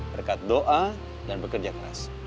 berkat doa dan bekerja keras